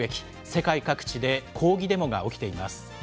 世界各地で抗議デモが起きています。